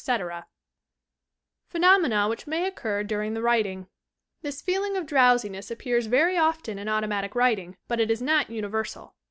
AUTOMATIC WRITING PHEKOMENA WHICH MAT OCCUR DltRINQ THE WRITING This feeling of drowsiness appears very often in auto matic writing, but it is not universal.